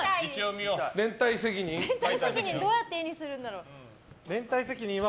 連帯責任どうやって絵にするんだろう。